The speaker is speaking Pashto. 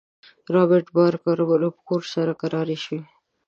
رابرټ بارکر رپوټ سره کراري شوې.